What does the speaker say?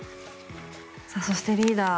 そしてリーダー